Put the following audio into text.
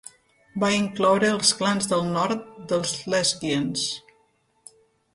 Va incloure els clans del nord dels Lesguians.